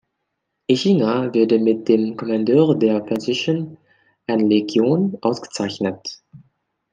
Ischinger wurde mit dem Kommandeur der französischen Ehrenlegion ausgezeichnet.